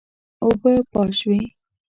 اوبه پاش شوې.